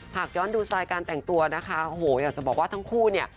หากย้อนดูสไตล์การแต่งตัวนะคะโอ้โหอยากจะบอกว่าทั้งคู่เนี่ย